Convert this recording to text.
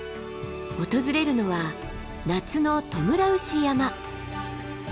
訪れるのは夏のトムラウシ山。